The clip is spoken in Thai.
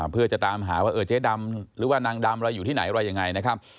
เพื่อจะตามหาว่าเจ๊ดำหรือว่านางดำอะไรอยู่ที่ไหนอะไรยังไงนะครับ